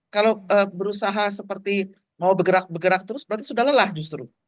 kalau berusaha seperti mau bergerak bergerak terus berarti sudah lelah justru